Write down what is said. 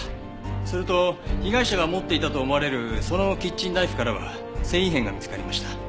それと被害者が持っていたと思われるそのキッチンナイフからは繊維片が見つかりました。